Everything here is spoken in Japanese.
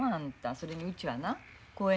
それにうちはな興園